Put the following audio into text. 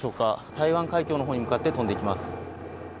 台湾海峡の方に向かって飛んでいきます。